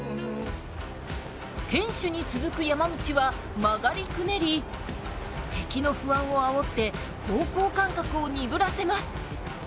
天守に続く山道は曲がりくねり敵の不安をあおって方向感覚を鈍らせます。